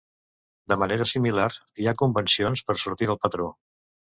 De manera similar, hi ha convencions per sortir del patró.